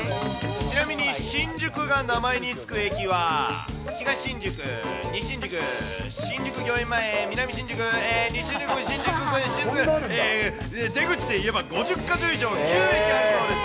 ちなみに新宿が名前に付く駅は、東新宿、西新宿、新宿御苑前、南新宿、えー、西新宿五丁目、新宿、えー、出口でいえば、５０か所以上、あるそうです。